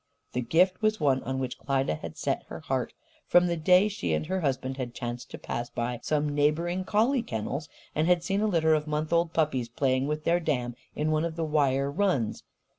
The gift was one on which Klyda had set her heart; from the day she and her husband had chanced to pass by some neighbouring collie kennels and had seen a litter of month old puppies playing with their dam in one of the wire runs.